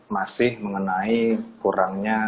masih mengenai kurangnya